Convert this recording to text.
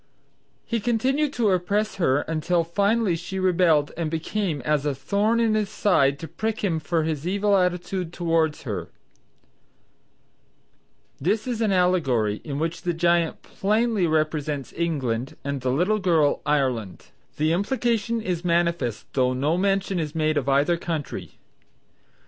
He continued to oppress her until finally she rebelled and became as a thorn in his side to prick him for his evil attitude towards her;" this is an allegory in which the giant plainly represents England and the little girl, Ireland; the implication is manifest though no mention is made of either country.